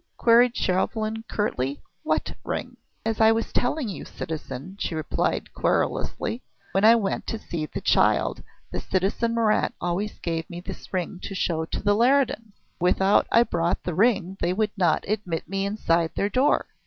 queried Chauvelin curtly. "What ring?" "As I was telling you, citizen," she replied querulously, "when I went to see the child, the citizen Marat always gave me this ring to show to the Leridans. Without I brought the ring they would not admit me inside their door.